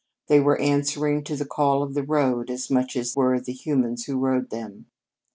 They were answering to the call of the road as much as were the humans who rode them.